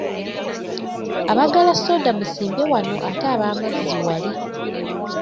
Abaagala soda musimbe wano ate ab’amazzi wali.